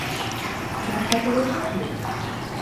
Санька тореш ыш лий.